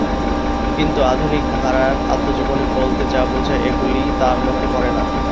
কিন্তু আধুনিক ধারার আত্মজীবনী বলতে যা বোঝায়, এগুলি তার মধ্যে পড়ে না।